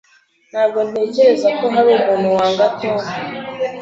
Ntabwo ntekereza ko hari umuntu wanga Tom.